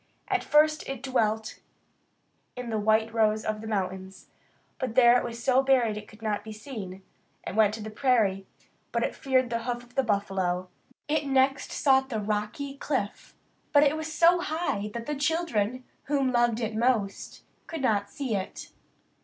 At first it dwelt in the white rose of the mountains; but there it was so buried that it could not be seen. It went to the prairie; but it feared the hoof of the buffalo. It next sought the rocky cliff; but there it was so high that the children, whom it loved most, could not see it.